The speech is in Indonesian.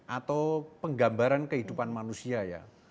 atau penggambaran kehidupan manusia ya